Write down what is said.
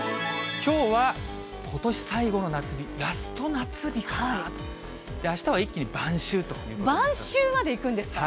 きょうは、ことし最後の夏日、ラスト夏日かなと、あしたは一気に晩秋ということですね。